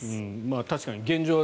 確かに、現状